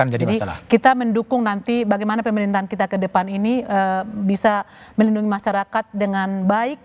jadi kita mendukung nanti bagaimana pemerintahan kita ke depan ini bisa melindungi masyarakat dengan baik